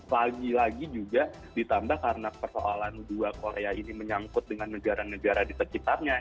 lagi lagi juga ditambah karena persoalan dua korea ini menyangkut dengan negara negara di sekitarnya